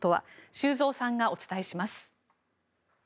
修造さんがお伝えします。